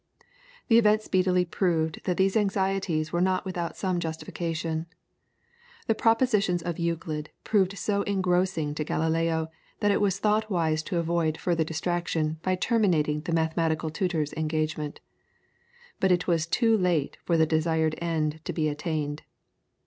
The event speedily proved that these anxieties were not without some justification. The propositions of Euclid proved so engrossing to Galileo that it was thought wise to avoid further distraction by terminating the mathematical tutor's engagement. But it was too late for the desired end to be attained.